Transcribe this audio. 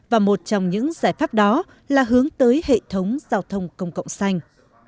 và một trong những giải pháp đó là hướng tới hệ thống giao thông công cộng xanh